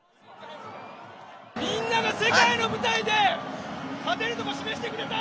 みんなが世界の舞台で勝てるとこ示してくれたよ！